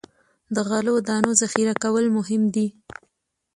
د غلو دانو ذخیره کول مهم دي.